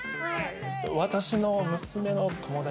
私の娘の友達です。